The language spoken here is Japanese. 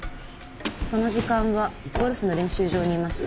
その時間はゴルフの練習場にいました。